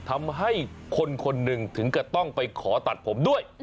ทำให้คนคนหนึ่งถึงกับต้องไปขอตัดผมด้วย